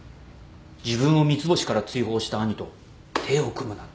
自分を三ツ星から追放した兄と手を組むなんて。